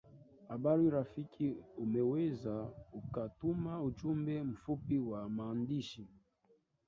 habari rafiki unaweza ukatuma ujumbe mfupi wa maandishi